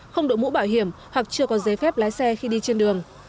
không đội mũ bảo hiểm hoặc chưa có giấy phép lái xe khi đi trên đường